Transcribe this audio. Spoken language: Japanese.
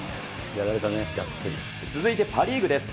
続いてパ・リーグです。